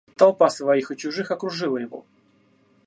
Толпа своих и чужих окружила его.